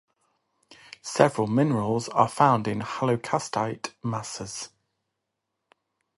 Several minerals are found in hyaloclastite masses.